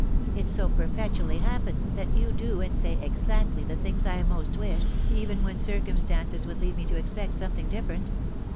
It so perpetually happens, that you do and say exactly the things I most wish, even when circvunstances would lead me to expect something different.